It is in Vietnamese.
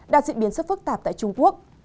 đã diễn biến rất phức tạp tại trung quốc